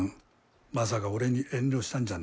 まさか俺に遠慮したんじゃね